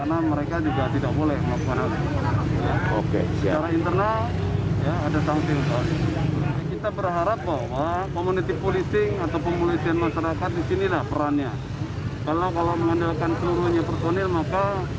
akan tidak memadai jumlah personik